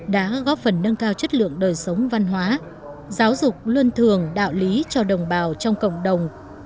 đã góp phần nâng cao chất lượng đời sống văn hóa giáo dục luân thường đạo lý cho đồng bào trong cộng đồng